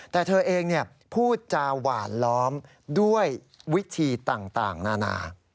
แต่เธอเองพูดจาหวานล้อมด้วยวิธีต่างนานา